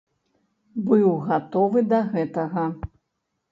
Быў гатовы да гэтага.